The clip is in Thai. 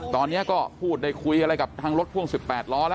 ตอนนี้ก็พูดได้คุยอะไรกับทางรถพ่วง๑๘ล้อแล้ว